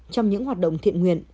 trong những hoạt động thiện nguyện